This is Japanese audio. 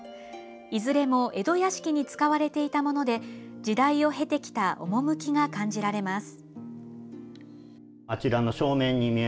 いずれも江戸屋敷に使われていたもので時代を経てきた趣が感じられます。